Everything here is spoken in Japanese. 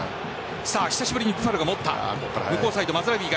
久しぶりにブファルが持った。